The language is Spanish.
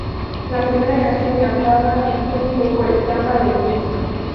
La primera canción cantada en público fue "Zamba del grillo".